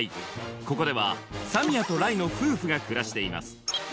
ここではサミアとライの夫婦が暮らしています